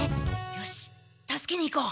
よし助けに行こう。